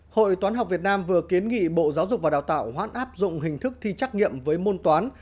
hội toán học việt nam vừa kiến nghị bộ giáo dục và đào tạo hoãn áp dụng hình thức thi trắc nghiệm với môn toán